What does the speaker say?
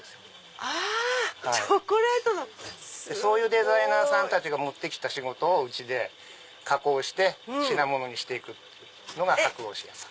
そういうデザイナーさんたちが持って来た仕事をうちで加工して品物にして行くのが箔押しです。